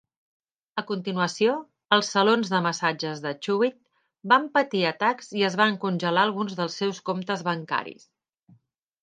A continuació, els salons de massatges de Chuwit van patir atacs i es van congelar alguns dels seus comptes bancaris.